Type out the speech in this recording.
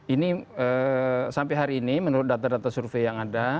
ini sampai hari ini menurut data data survei yang ada